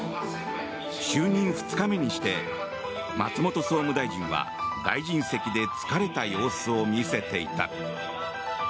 就任２日目にして松本総務大臣は大臣席で疲れた様子を見せていた。